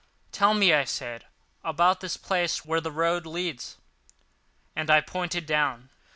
"Tell me," I said, "about this place where the road leads," and I pointed down.